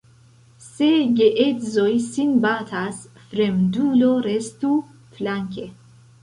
Se geedzoj sin batas, fremdulo restu flanke.